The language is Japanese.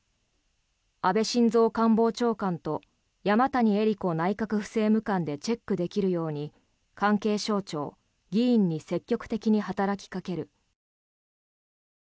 安倍晋三官房長官と山谷えり子内閣府政務官でチェックできるように関係省庁、議員に積極的に働きかける。